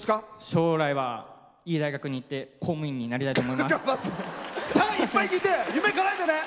将来はいい大学に行って公務員になりたいと思います。